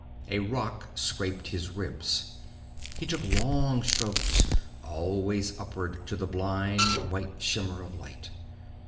A rock scraped his ribs. He took long strokes, always upward to the blind white shimmer of light.